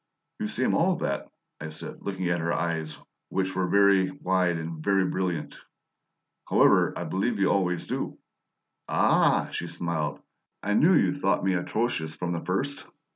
"You seem all of that," I said, looking at her eyes, which were very wide and very brilliant. "However, I believe you always do." "Ah!" she smiled. "I knew you thought me atrocious from the first.